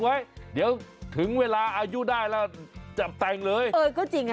ไว้เดี๋ยวถึงเวลาอายุได้แล้วจับแต่งเลยเออก็จริงอ่ะ